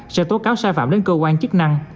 sẽ tố cáo sai phạm đến cơ quan chức năng